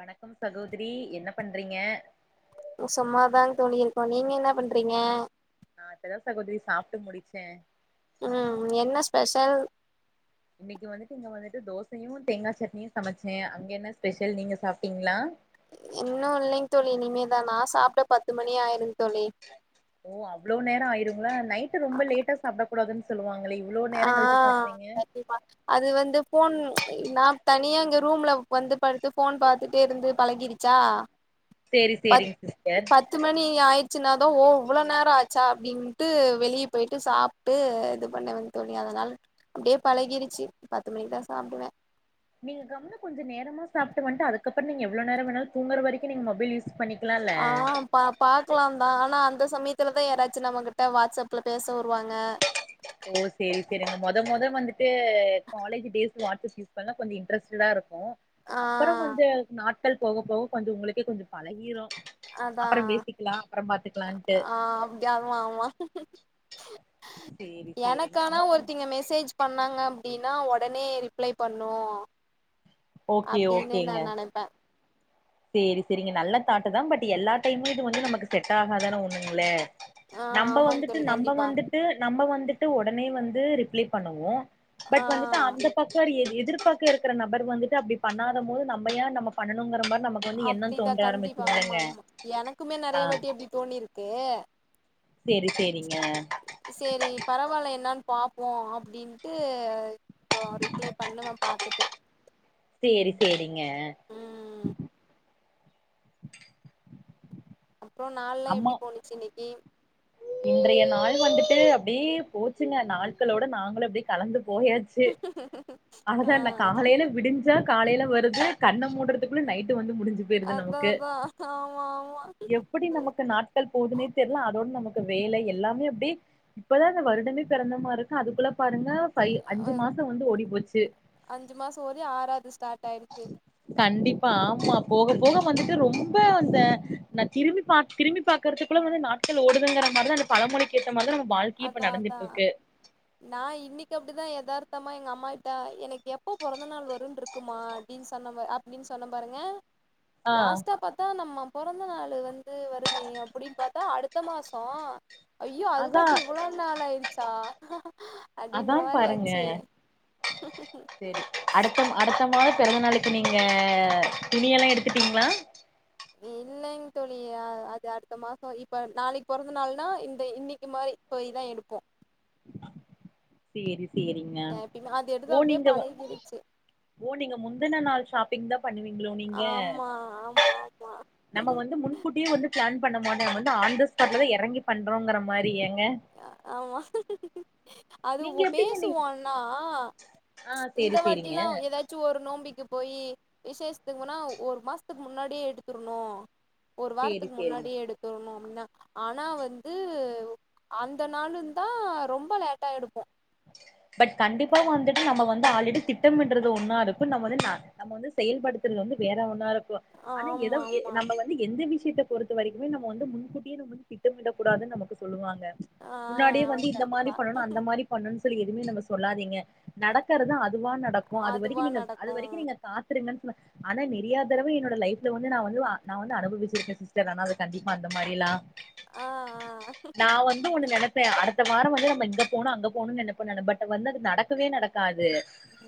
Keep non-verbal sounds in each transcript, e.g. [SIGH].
வணக்கம் சகோதரி என்ன பண்றீங்க சும்மாதாங் தோழி இருக்கோ தோழி நீங்க என்ன பண்றிங்க நா இப்பதா சகோதரி சாப்ட்டு முடிச்சே உம் என்ன ஸ்பெஷல் இன்னைக்கு வந்துட்டு இங்க வந்துட்டு தோசையு தேங்காய் சட்னியும் சமைச்சே அங்க என்ன ஸ்பெஷல் நீங்க சாப்பிட்டீங்களா இன்னு இல்லைங்கு தெரியலைங்க நா சாப்பிட்ட பத்து மணி ஆய் ஓ அவ்வளோ நேர ஆயிருங்கள நைட்டு ரொம்ப லேட்டா சாப்டக்க கூடாதுன் சொல்லுவாங்க ஆ சரிமா அது வந்து போன் நா தனியா இங்க ரூம்ல வந்து படுத்து போன் பாத்துட்டே இருந்து பழகிருச்சா சேரி பத் சேரிங்க சிஸ்டர் பத்து மணி ஆயி சின்னதா ஓ இவ்வளோ நேர ஆச்சா அப்படின்ட்டு வெளியே போயிட்டு சாப்ட்டு இது பண்ண வந் தோழி அதனால அப்படியே பலகிருச்சு பத்து மணிக்கு தா சாப்பிடுவே நீங்க கம்முனு கொஞ்ச நேரமா சாப்ட்டு வண்ட்டு அதுக்கப்ரொ நீங்க எவ்வளவு நேர வேணாலு தூங்குற வரைக்கு நீங்க மொபைல் யூஸ் பண்ணிக்கலால்ல ஆ பா பாக்கலாந்தா ஆனா அந்த சமயத்துலதா யாராச்சு நம்மகிட்ட வாட்ஸ்அப்ல பேச வருவாங்க ஓ சரி சரிங்க மொத மொத வந்துட்டு காலேஜ் டேஸ் வட்ஸ்அப் யூஸ் பண்ணா கொஞ்ச இன்ட்ரஸ்ட்டடாத இருக்கு ஆ அப்பற கொஞ்ச நாட் மக்கள் போக போக கொஞ்ச உங்களுக்கே கொஞ்ஜோ பழகிரு அதா அப்புறம் பேசிக்கலா அப்புறம் பாத்துக்கலான்ட்டு ஆ அப்டியம்மா ஆமா சேரி எனக்கு சேரிங்க ஆன அம்மா ஒருத்தி வந்து இங்க மெசேஜ் பண்ணாங்க அப்டின் ன்னா ஒடனே ரிப்ளை பண்ணு அப்டின்னு நா நெனைப்பே செரி செரிங்க நல்ல தட்டு தா பட் எல்லா டைமு இது வந்து நமக்கு செட் ஆகாதான உண்மங்களே ஆ நம்ப ஆமாங் வந்துட்டு தோழி நம்ப கண்டிப்பா வந்துட்டு நம்ப வந் வந்துட்டு ஒடனே வந்து ரிப்ளை பண்ணுவோம் ஆ பட் வந்துட்டு அந்த பக்க எது எ எதிர்பாக்க இருக்க நபர் வந்துட்டு அப்டி பண்ணாத போது நம்ம ஏ நம்ம பண்ணணுங்கிற மாரி நா அப்டி தா கண்டிப்பா ஆமா ஆமா எனக்குமே ஆ நறைய வாட்டி அப்டி தோணியிருக்கு சேரி சேரிங்க என்னன்னு பாப்போ அப்டின்ட்டு அப்றோ ரிப்ளை பண்ணுவ பாத்துட்டு சேரி சேரிங்க ம் அப்றோ நாள் எல்லாம் அம்மா எப்டி போனுச்சு இன்னை எய்ம் இன்றைய நாள் வந்துட்டு அப்டியே போச்சுங்க நாட்களோட நாங்களும் அப்டியே கலந்து போயாச்சு ஆனா ஆ தா என்ன காலையில விடிஞ்சா காலையில வருது கண்ண மூடுறதுக்குள்ள நைட் டு வந்து முடிஞ்சு போயிருது அதா நமக்கு அதா ஆமா ஆமா எப்டி நமக்கு நாட்கள் போதுன்னே தெர்ல அதோடு நமக் இப்ப வேல எல்லாமே அப்டியே இப்பதான வருடமே பெறந்த மார்ருக்கு அதுக்குள்ள பாருங்க ஃபை அஞ்சு அ- மாசம் வந்து ஓடி போச்சு அஞ்சு மாசோ ஓதி ஆறாவது ஸ்டார்ட் ஆயிடுச்சு கண்டிப்பா ஆமா போ போக போக வந்துட்டு ரொம்ப அந்த நான் திரும்பி பாக் திரும்பி பா்கறதுக்குள்ள வந்து நாட்கள் ஓடுதுங்கற மாரிதான் அந்த பழமொழிக்கேத்த மாரி தா அதான் அதான் நான் இன்னைக்கு அப்படிதான் எதார்த் த்தமா எங்க அம்மகிட்ட எனக்கு எப்போ பொறந்த நாள் வரும் இருக்குமா அப்படின்னு சொன்ன அப்படின்னு சொன்ன பாருங்க ஆ லாஸ்ட்டா பார்த்தா நம்ம பொறந்த நாள் வந்து வருமே அப்படி பார்த்தா அடுத்த மாசம் ஐயோ அதுக் அதா ட்டி இவ்வளோ நாள் ஆயிச்சா அதா அப்படின்ற பாருங்க மாரியாச்சு சேரி அடுத்த அடுத்த மாத பிறந்த நாளுக்கு நீங்க துணிய எல்லா எடுத்துட்டீங்களா இல்லைங்க தோழி அது அடுத்த மாசம் இப்ப நாளைக்கு பிறந்த நாள்னா இந்த இன்னைக்கு மாதிரி போயிதா எடுப்போ செரி சரிங்க எப்பயுமே அது எடுத்து ஓ அப்டியே நீங்க பழகிருச்சு ஓ நீங்க முந்தின நாள் ஷாப்பிங் தா பண்ணுவீங்களோ நீங்க ஆமா ஆமா ஆமா நம்ம வந்து முன்கூட்டியேி வந்து பிளான் பண்ண மாட்ட வந்து ஆன் தா ஸ்பாட்ல தா இறங்கி பண்றோங்கிற மாரிங்க ஆமா அது நீங்க எப்டிங்க நீ பேசுவொந்நா ஆ இந்த சேரி வாட்டி சேரிங்க லாம் ஏதாச்சும் ஒரு நோம்பிக்கு போயி விசேஷத்துக்குன்னா ஒரு மாசத்துக்கு முன்னாடியே எடுத்துிரணும் ஒரு சேரி வாரத்துக்கு சேரிங்க முன்னாடியே எடுத்துடணும் [UNINTELLIGIBLE] ஆனா வந்து அந்த நாலுந்தா ரொம்ப லேட்டா எடுப்போம் பட் கண்டிப்பா வந்துட்டு நம்ம வந்து ஆல்ரெடி திட்டமிட்ரது ஒன்னா இருக்கும் நம்ம வந்து நம்ம வந்து செயல்படுத்துறது வந்து வேற ஒன்னா இருக்கும் ஆனா ஏதோ ஆமா ஆமா நம்ம வந்து எந்த வி சீத்தை பொறுத்த வரைக்கும் நம்ம வந்து முன்கூட்டிய வந்து திட்டமிடகூடாது நமக்கு சொல்லுவாங்க ஆ முன்னாடியே ஆமா வந்து இந்த கண்டிப்பா மாரி பண்ணனும் அந்த மாரி னு சொல்லி எதுவுமே நம்ம சொல்லாதீங்க நடக்கறதா அதுவா நடக்கும் அது அதுவா வரைக்கும் நீங்க அது நடக்கு வரைக்கும் நீங்க காத்துருங்கன் ஆனா நெறியாதடவை என்னோட லைப்ல வந்து நான் வந்து நான் வந்து அனுபவிச்சிருக்கேன் சிஸ்டர் ஆனா அது கண்டிப்ப அந்த மாரி எல்லாம் ஆஹ் ஆஹ் ஒன்னு நெனப்பே அடுத்த வாரம் வந்து நம்ம இங்க போனும் அங்க போ [UNINTELLIGIBLE] பட் வந்து நடக்கவே நடக்காது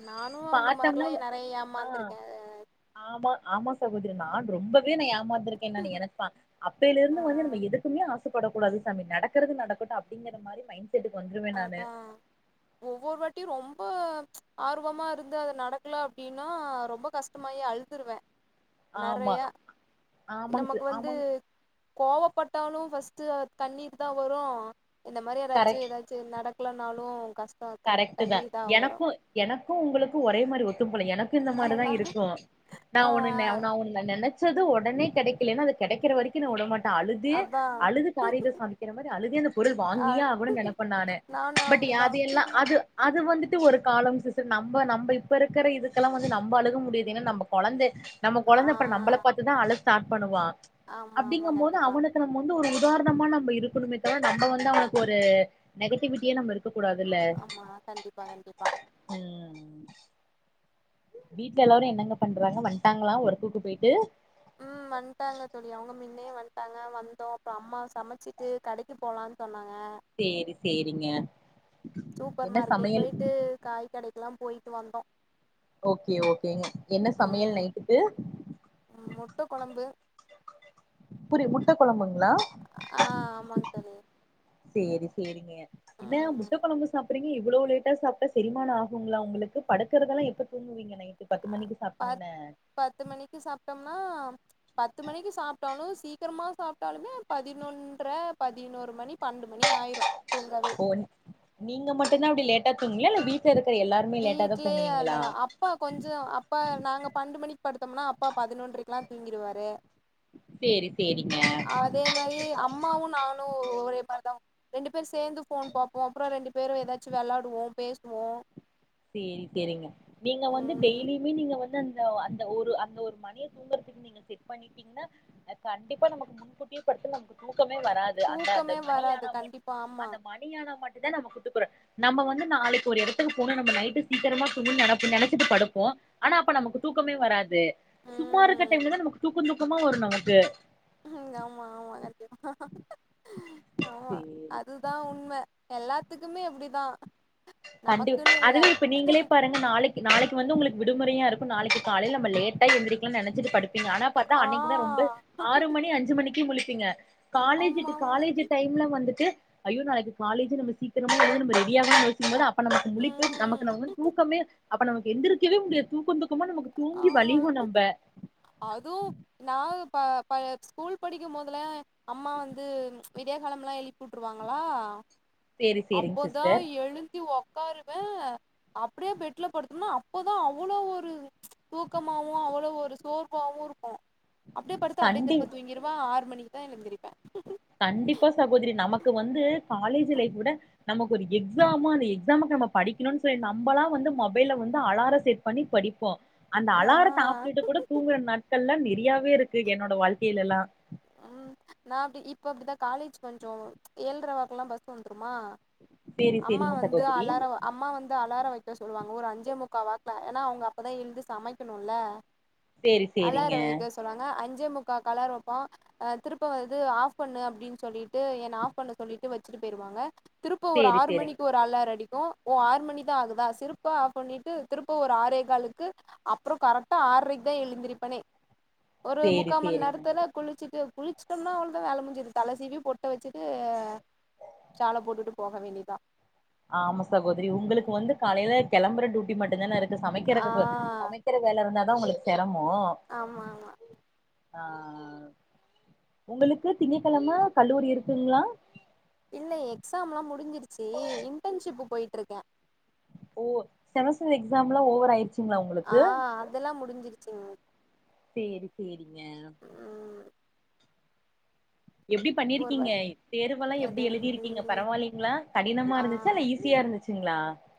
நானும் அந்த பாத்தோம்னா மாரிலாம் நிறையா ஆ ஏமாந்திருக்கேன் ஆமா ஆமா சகோதரி நான் ரொம்பவே நான் ஏமாத் [UNINTELLIGIBLE] அப்பில இருந்து வந்து நம்ம எதுக்குமே ஆசை படக்கூடாது சாமி நடக்கிறது நடக்கட்டும் அப்படிங்கிற மாரி மைண்ட சட்டு வந்துடுவே நானு அதா ஒவ்வொரு வாட்டியும் ரொம்ப ஆர்வமா இருந்து அத நடக்கல அப்படின்னா ரொம்ப கஷ்டமாயி அழுதுருவே ஆமா நெறையா ஆமாங் நமக்கு சார் வந்து ஆமாங்க கோவப்பட்டாலு ஃபர்ஸ்ட்டு அ கண்ணிர் தா வரும் இந்த மாரி ஏதாச்சு ஏதாச் நடக்லனாலும் கஷ் கரெக்ட்டு தா எனக்கும் எனக்கும் உங்கக்கும் ஒரே மாரி ஒத்தும் போல எனக் க்கு இந்த மாரிதா அதா இருக்கும் நா ஆ ஒண்ணு நெ நா ஒண்ணு நென நெனைச்சது ஒடனே கெடைக்கலனா அது கெடைக்கிற வரைக்கு நா வுடமாட்டே நா அழுதே அதா அழுது காரியத்த சாதிக்கிற மாரி அழுதே அந்த பொருள் அ வாங்கியே ஆகணு நெனைப்பே நானு பட் என் அது எல்லாம் [UNINTELLIGIBLE] அது வந்துட்டு ஒரு காலம் சிஸ்டர் நம்ப நம்ப இப்ப இருக்கற இதுக்கெல்லாம் வந்து நம்ப அழுக முடியாது ஏன்னா நம்ம கொழந்தை நம்ம ஆ கொழந்த அப்றம் நம்பள பாத்து தான அழுக ஸார்ட் பண்ணுவா ஆமா ஆமா அப்படிங்கும் போது கண்டிப்பா அவனுக்கு நம்ம வந்து ஒரு உதாரணமா நம்ம இருக்கணுமே தவிர நம்ம வந்து அவனுக்கு ஒரு நெகட்டிவிட்டியே நம்ம இருக்க கூடாதுல்ல ஆமா கண்டிப்பா கண்டிப்பா ம் வீட்ல எல்லாரும் என்னங்க பண்றாங்க வந்துட்டாங்களாம் ஒர்க்குக்கு போயிட்டு உம் வந்துட்டாங்க தோழி அவங்க முன்னே வந்துட்டாங்க வந்தோம் அப்புறம் அம்மா சமைச்சிட்டு கடைக்கு போலான்னு சொன்னாங்க சேரி சேரிங்க சூப்பர் என்ன சமையல் போய்ட்டு வந்தோம் ஓகே ஓகேங்க என்ன சமையல் நைட்டு உம் முட்டை குழம்பு புரி முட்டை குழம்புங்க ஆஹ் ஆமாங்க சரி சேரி சேரிங்க என்ன முட்டை குழம்பு சாப்பிறீங்க இ்வளோ லேட்டா சாப்பிட்டா செரிமானம் ஆகுகங்களா உங்களுக்கு படுக்கறதெல்லாம் எப்ப தூங்குவீங்கே பத் பத்து மணிக்கு சாப்பிட்டோம்னா பத்து மணிக்கு சாப்பிட்டோனும் சீக்கிரமா சாப்பிட்டாலுமே பதினொன்ற பதினோரு மணி பன்ன ஓ நீங்க மட்டும் தான் அப்படி லேட்டா ட்டா தூங்குவீங்களா இல்லை வீட் வீட்லேயே அல்லதான் அப்பா கொஞ்சம் அப்பா நாங்க பண்டு மணிக்கு படுத்தோம்னா அப்பா பதினொன்றக்குெல்லாம் தூங்கிடுவாரு சேரி சேரிங்க அதே மாதிரி அம்மாவும் நானும் ஒரே மாதிரி தான் ரெண்டு பேரும் சேர்ந்து போன் பார்ப்போம் அப்புறம் ரெண்டு பேரும் ஏதாச்சும் விளாடுவோம் பேசுவோம் சேரி சேரிங்க நீங்க வந்து ம் டெய்லியுமே நீங்க வந்து அந்தந்த, அந்த ஒரு அந்த ஒரு மணிய தூங்கறதுக்கு நீங்க செட் பண்ணிட்டீங்னா அ கண்டிப்பா நமக்கு முன்கூட்டியே பட்தா நமக்கு தூ க்கமே வராது அந்த அந்த தூக்கமே மணி வராது ஆனா மட் கண்டிப்பா ஆமா அந்த மணி ஆனா மட் துதான் நம்ம குட்டுபோற நம்ம வந்து நாளைக்கு ஒரு இடத்துக்கு போன ந இந்த நைட்டு சீக்கிரமா தூங்கு நெனச்சி நெனச்சிட்டு படுப்போம் ஆனா அப்ப நமக்கு தூக்கமே வராது சும்மா இருக்க ம் டைம்ல தா நமக்கு தூக்க தூக்கமா வரும் நமக்கு உஹ ஆமா ஆமா கண்டி ஆஹ் ஆஹ் ஆமா சேரி அதுதான் உண்ம எல்லா அதுக்குமே அப்படிதான் கண்டி அதுவே இப்ப நீங்களே பாருங்க நாளைக்கு நாளைக்கு வந்து உங்களுக்கு விடுமுறையா இரு நாளைக்கு கால நம்ம லேட்டா எந்திரிக்கன் நெனச்சிட்டு படு பிங்க ஆனா பாத்தா ஆ அன்னைக்கு தான் ரொம்ப ஆறு மணி அஞ்சு மணிக்கு முழிப்பீங்க ஆமா காலேஜிடு ஆமா காலேஜ் டைம்ல வந்துட்டு ஐயோ நாளைக்கு காலேஜு நம்ம சீக்கிரமா [UNINTELLIGIBLE] நம்ம ரெடியாகலாமே போது அப்ப நமக்கு முழிப்பு நமக்கு ம் நவு தூக்கமே அப்ப நமக்கு எந்திரிக்கவே முடியது தூக்கந்து ஆமா அதுவு நா ப ப ஸ்கூல் படிக்கும்போதல அம்மா வந்து விடிய காலம் எல்லாம் எழுப்பி உட்டுருவாங்களா சேரி சேரிங்க அப்போதா சிஸ்டர் எழுதி ஒ ட்காருவே அப்டியே பெட்ல படுத்தும்னா அப்போதா அவ்வளோ ஒரு தூக்கமாவு அவ்வளோ ஒரு சோர்வாவு இருக்கும் அப்டே படுத்து அப்டே கண்டிப்பா திருப்ப தூங்கிருவா ஆற் மணிக்கு தா எழுந்திருப்ப கண்டிப்பா சகோதரி நமக்கு வந்து காலேஜ் லைஃப் விட நமக்கு ஒரு எக்ஸாமா அந்த எக்ஸாமுக்கு நம்ம படிக்கணு சொல்லி நம்பளா வந்து மொபைல்ல வந்து அலாரம் செட் பண்ணி படிப்போம் அந்த ஆ அலாரத்த ஆஃப் பண்ணிட்டு கூட தூங்கற நாட்கள்லா நெ நரியாவே இருக்கு என்னோட வாழ்க்கைல எல்லா உம் நா அப்டி இப்ப அப்டிதா காலேஜ் கொஞ்சம் ஏழ்டர வாக்கெல்லா பஸ் வந்துருமா சேரி அம்மா சேரிங்க வந்து சகோதரி அலார, அம்மா வந்து அலார வை சொல்லுவாங்க ஒரு அஞ்சே முக்கா வாக்ல ஏன்னா அவுங்க அப்பதா எழ்ந்து சமைக்கணும்ல சேரி அலார சேரிங்க வைக சொல்லுவாங்க அஞ் ஞ்சே முக்காக் அலாரம் வப் பா திருப்ப வந்து ஆஃப் பண்ணு அப்டின்னு சொல்லிட்டு என்ன ஆஃப் பண்ண சொல்லிட்டு வச்சுட்டு போயிருவாங்க திருப்ப ஒரு சேரி ஆறு சேரிங்க மணிக்கு ஒரு அலார அடி கு ஓ ஆறு மணிதா ஆகுதா சிறப்பா ஆஃப் பண்ணிட்டு திருப்ப ஒரு ஆறே காலுக்கு அப்புறம் கரெக்டா ஆற்ரைக்கு தா எழுந்திருப்பனே ஒரு சேரி முக்கா மன் சேரிங்க நேரத் ல்ல குளிச்சுட்டு குளிச்சுிட்டோம்னா அவுள்தா வேல முஞ்சுது தல சீவி பொட்டு வச்சுட்டு ஆ ஷால போட்டுட்டு போக வேண்டியதா ஆமா சகோதரி உங்களுக்கு வந்து காலையில கெளம்பற டியூட்டி மட்டும்தான இரு ஆ சமைக்கிறதுக்கு சமைக்கிற வேல இருந்தா உங்களுக்கு பே தமோ ஆமா ஆமா ஆ உங்களுக்கு திங்க கழம கல்லூரி இருக்குங்ளா இல்ல எக்ஸாம் லா முடிஞ்சிருச்சி இன்டர்ன்ஷிப் போய்ட்டு இருக்க ஓ செமஸ்டர் எக்ஸாம்லா ஓவர் ஆய்ருச்சு ஆ அதெல்லா முடிஞ்சிருச்சிங் சேரி சேரி ய எப்டி ஒரு வருஷ பண்ணிருக்கீங்க தேர்வெல்லா அது எப்டி வந்து எழுதிருக்கீங்க பரவால்லைங்ளா கடினமா ஆ இருந்துச்சா இல்ல ஈஸியா இருந்துச்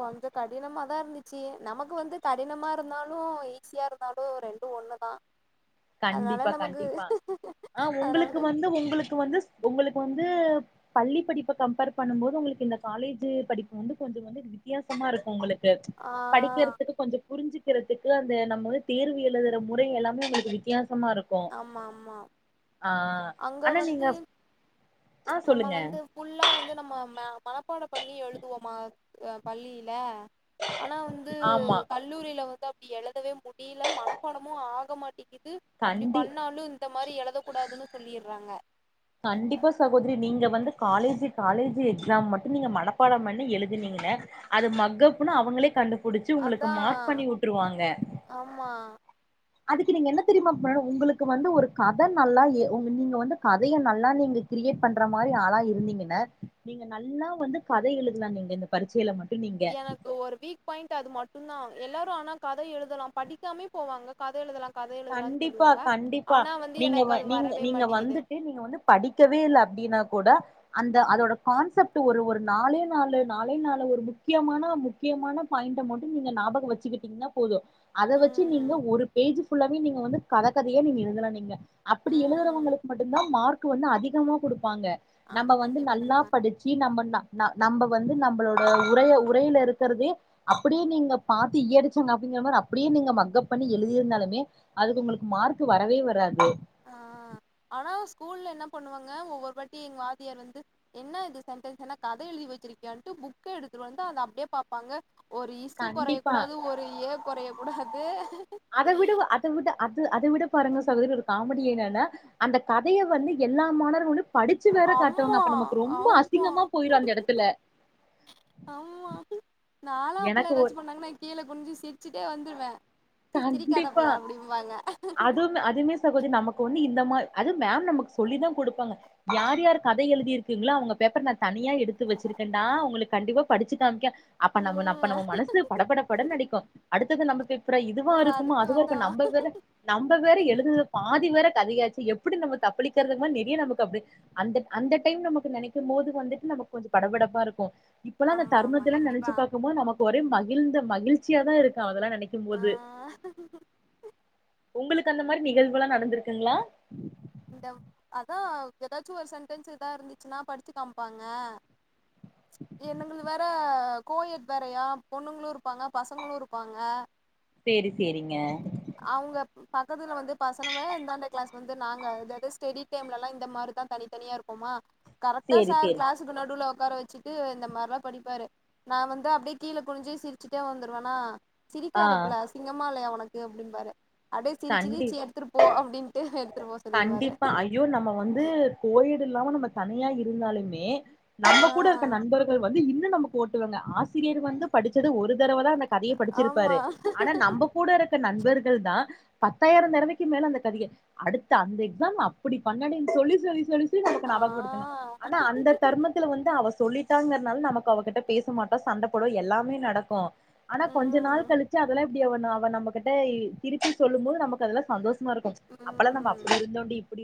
கொஞ்சோ கடினமா தா இருந்து சு நமக்கு வந்து கடினமா இருந்தாலு ஈஸியா இருந்தாலு ரெண்டு ஒண்ணுதா அதனால கண்டிப்பா நமக்கு கண்டிப்பா ஆ உங்களுக்கு அதனாலது வந்து உங்களுக்கு வந்து உங்களுக்கு வந்து பள்ளி படிப்ப கம்பர் பண்ணும் போது உங்களுக்கு இந்த காலேஜூ படிப்பு வந்து கொஞ்சோ வந்து வித்தியாசமா இருக்கு உங்களுக் ஆ [UNINTELLIGIBLE] படிக்கிற்துக்கு கொஞ்சோ புரிஞ்சு கிறதுக்கு அந்த நம்ம தேர்வு எழுதுற முறை எல்லாமே உங்குளுக் வித் ஆமா ஆமா ஆ அங்க ஆனா வந்து நீங்க ஆ ச் நம்ம சொல்லுங்க வந்து புல்லா வந்து நம்ம ம மனப்பாடோ பண்ணி எழுதுவோமா ஆ பள்ளியில ஆனா வந்து ஆமா கல்லூரில வந்து அப் எழுதவே முடில மனப்பாடமு ஆக மாட் தன் பண்ணாலு இந்த மாரி எழுத கூடாதுன் சொல்லிர் றாங்க கண்டிப்பா சகோத்ரி நீங்க வந்து காலேஜூ காலேஜு எக்ஸம் மட்டு நீங்க மனப்பாடோ பண்ணி எழுதினீங்கன அது மக்கப்பு அவங்களே கண்டு புடிச்சு உங்களுக்கு அதா மார்க் பண்ணி உட்ருவாங்க ஆமா அதுக்கு நீங்க என்ன தெரிமா பண்ணணு உங்களுக்கு வந்து ஒரு கத நல்லா ஏ நீங்க வந்து கதைய நல்லா நீங்க க்ரியேட் பண்ற மாரி ஆளா இருந்தீங்கன்ன நீங்க நல்லா வந்து கத எழுதலா நீங்க இந்த பரிச்சைல மட்டு எனக்கு ஒரு வீக் பாய்ண்ட் அது மட்டு தா எல்லாரு ஆனா கத எழுதலா படிக்காமே போவாங்க கத எழுதலா கதை எழுதலான்னு கண்டிப்பா சொல்லுவாங்க கண்டிப்பா ஆனா வந்து நீங்க எனக்கு வ அது நீங்க வரவே நீங்க மாட்டேங்குது வந்துட்டு நீங்க வந்து படிக்கவே இல்ல அப்டினா கூட அந்த அதோட கான்செப்ட் ஒரு ஒரு நாலே நாலு நாலே நாலு ஒரு முக்கியமான முக்கியமான பாய்ண்ட மட்டு நீங்க ஞாபகோ வச்சுகிட்டீங்கனா போது அத வச்சு ம் நீங்க ஒரு பேஜ் ஃபுல்லாவே நீங்க வந்து கத கதயா நீங்க எழுதலா நீங்க அப்டி ம் எழுதுறங்களுக்கு மட்டுந்தா மார்க் கு வந்து அதிகமா குடுப் பாங்க ஆமா நம்ப வந்து கண்டிப்பா நல்லா கண்டிப்பா படிச்சு நம்ப நா நம்ப வந்து நம் உங்களோட உடைய உரைல இருக்கறுதே அப்பிடியே நீங்க பாத்து இய்யடிச்சாங் காப்பிங்ற மாரி அப்பிடியே நீங்க மக்கப் பண்ணி எழுதி இருந்தாலுமே அதுக்கு உங்களுக்கு மார்க்கு வரவே வராது ஆ ஆனா ஸ்கூல்ல என்ன பண்ணுவாங்க ஒவ்வொர் வாட்டி எங்க வாத்தியார் வந்து என்ன இது சென்டன்ஸ் என்ன கத எழுதி வச்சிருக்கியான்ட்டு புக்க எடுத்துட் வந்து அத அப்டியே பாப்பாங்க ஒரு இஸ்ஸு கொறைய கண்டிப்பா கூடாது ஒரு எ கொறைய கூடாது அத விடவு அத உட அது அத விட பாருங்க சகோத்ரி ஒரு காமடி என்னன்னா அந்த கதைய வந்து எல்லா மாணர்களு அம்மா ஆமா அசிங்கமா போயிரு அந்த எடத்துல ஆமா நாளா அப்புலா எனக்கு ஒரு எதாச்சு பண்ணாங்கனா கீழ குன்ஞ்சு சிர்ச்சிட்டே வந் துர்வ கண்டிப்பா அதும்ம அதுமே சகோதி நம்மக்கு வந்து இந்த மா அது மேம் நமக் சொல்லி தா குடுப்பாங்க யார் யாரு கத எழுதிருக்கிங்ளோ அவுங்க பேப்பர் நா தனியா எடுத்து வச்சிருக்கன்டா உங்குளுக் கண்டிப்பா படிச்சு காம்க்க அப்ப நம்ம நப்ப ம் நம மனசு பட பட படன்னு அடிக்கு அடுத் தது நமக்கு அப்புற இதுவா ஒரு இருக்குமா அடுத்து அதுவா வந்தா இருக்கு நம்ப வேற நம்ப வேற எழுதுத பா தி வர கதையாச்சு எப்புடி நம்ம தப்பளிக்கற்து அது மாரி நெறிய நமுக்கு அப்டி அந்த அந்த டைம் நமக்கு நெனைக்கும் போது வந்துட்டு நமக் கொஞ்சம் படபடப்பா இருக்கும் இப்பல்லா இந்த ஆமா ஆமா தருணத்துலா கண்டிப்பா நெனச்சு பாக்கும் போது நமக் ஒரே ம கிழ்ந்த மகிழ்சியா தா இருக்கு அதலா நெனை ஆ க்கும்போது உங்களுக்கு அந்த மாரி நிகழ்வுலா நடந்திருக்குங்ளா உண்டவ் அதான் எதாச்சு ஒரு சென்ட்டன்ஸ் இதா இருந்துச்சுனா படிச்சு காம்ப்பாங்க எண்ணங்கள்து வேற ஆஹ் கோயட் வேறயா பொண்ணுங்குளும் இருப்பாங்க பசங்களும் இருப்பாங்க சேரி சேரிங்க அவங்க பக்கத்துல வந்து பசனுவ இந்தாண்ட கிளாஸ் வந்து நாங் க அதாது ஸ்டெடி டைம்லலா இந்த மாரிதா தனித்தனியா இருப்போமா கரக்ட்டா சேரி சார் சேரி கிளாஸுக்கு நடுவுல உக்கார வச்சிட்டு இந்த மார்லா படிப்பாரு நா வந்து அப்டியே கீழ குனுஞ்சு சிரிச்சுட்டே வந்துருவனா ஆ சிரிக்காதப்புல அசிங்கமா இல்லையா ஒனக் கு அப்டின் பாரு அப்டே சிரிச் கண்டி சிரிச்சு எடுத்துட்டு போ அப்டின்ட்டு எடு கண்டிப்பா ஐயோ நம்ம வந்து கோயிடு இல்லாம நம்ம தனியா இருந்தாலுமே நம்ம ஆ கூட இருக்க நண்பர்கள் வந்து இன்னு ம் இது நமக்கு ஓட்டுவங்க ஆசிரியர் வந்து படிச்சது ஒரு தடவ தா அந்த கதையே ஆமா படிச்சிருப்பாரு ஆனா நம்ப கூட இருக்க நண்பர் கள்தா பத்தாயிர தறவைக்கு மேல அந்த கதைய அடுத் த அந்த எக்ஸாம் அப்படி பண்ணடேன்னு சொல்லி சொல்லி சொல்லி டு நமக்கு ந ஆ அவபடுத்துங்க ஆனா அந்த தர்மத்தில வந்து அவ சொல்லிட் ட்டாங்கறனால நமக்கு அவகிட்ட பேச மாட்டோ சண்டை போடும் எல்லாமே நடக்கு ஆனா கொஞ்ச நாள் ம் கழிச்சு அதெல்லா இப்டி அவ அவ நம்மகிட்ட திருப்பி சொல்லு போது நமக்கு அதெல்லா சந்தோஷ மாருக்கும் அப்பெல்லா நம்ம ம் இருந்தோம் டி இப்டி